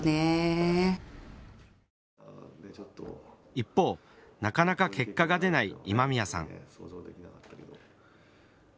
一方、なかなか結果が出ない今宮さん。